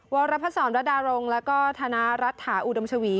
วรพสรรค์รัดดารงค์และธนารัฐฐาอุดมชวี